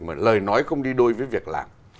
mà lời nói không đi đôi với việc làm